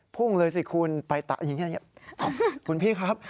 พุ่งเลยสิคุณไปตะอย่างนี้คุณพี่ครับ